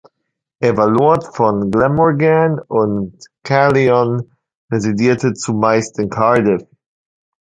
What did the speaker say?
Er war Lord von Glamorgan und Caerleon, residierte zumeist in Cardiff.